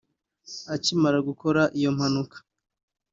Akimara gukora iyo mpanuka